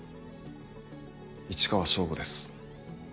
市川省吾です。